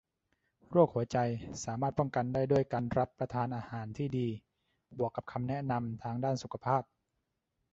โรคหัวใจสามารถป้องกันได้ด้วยการรับประทานอาหารที่ดีบวกกับคำแนะนำทางด้านสุขภาพ